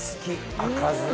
赤酢。